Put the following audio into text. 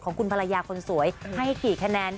ของคุณภรรยาคนสวยให้กี่คะแนน